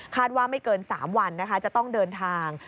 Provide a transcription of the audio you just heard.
ว่าไม่เกิน๓วันนะคะจะต้องเดินทาง